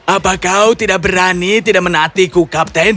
apa kau tidak berani tidak menaatiku kapten